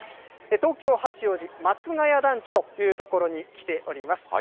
東京・八王子、松が谷団地という所に来ております。